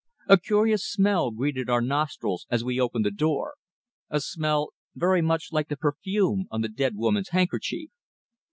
A curious smell greeted our nostrils as we opened the door a smell very much like the perfume on the dead woman's handkerchief.